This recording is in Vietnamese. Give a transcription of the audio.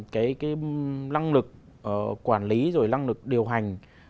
cái năng lực quản lý rồi năng lực điều hành